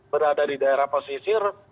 berada di daerah pesisir